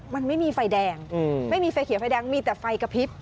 มันไม่มีไฟแดงไม่มีไฟเขียวไฟแดงมีแต่ไฟกระพริบ